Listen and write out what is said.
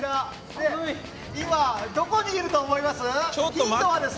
今どこにいると思います？